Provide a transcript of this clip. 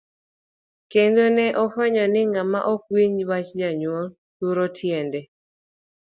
Kendo ne ofwenyo ni ng'ama ok winj wach janyuol, turo tiende .